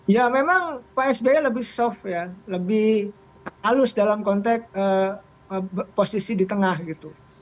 ya memang pak sby lebih soft ya lebih halus dalam konteks posisi di tengah gitu